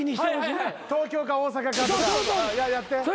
東京か大阪かとかやって。